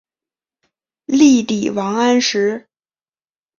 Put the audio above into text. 力抵王安石。